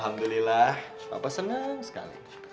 alhamdulillah papa senang sekali